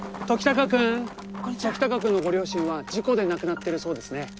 ときたかくんのご両親は事故で亡くなってるそうですね。